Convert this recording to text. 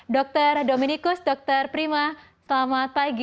dr dominikus dr prima selamat pagi